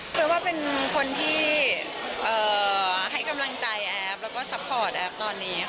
คือว่าเป็นคนที่ให้กำลังใจแอฟแล้วก็ซัพพอร์ตแอฟตอนนี้ค่ะ